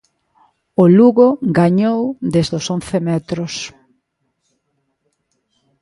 O Lugo gañou desde os once metros.